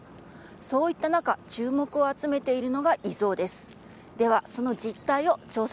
そういった中注目を集めているのが、遺贈です。